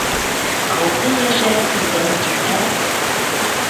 Алты йәшәр илдән килһә